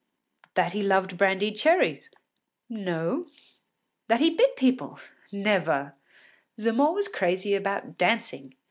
“That he loved brandied cherries?” No. “That he bit people?” Never. Zamore was crazy about dancing.